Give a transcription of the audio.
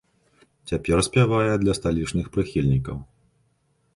Цяпер спявае для сталічных прыхільнікаў.